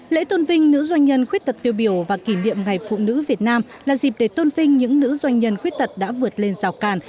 lễ tôn vinh nữ doanh nhân khuyết tật tiêu biểu và kỷ niệm ngày phụ nữ việt nam là dịp để tôn vinh những nữ doanh nhân khuyết tật đã vượt lên rào càn